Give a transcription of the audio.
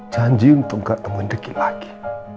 janji untuk gak temuin riki lagi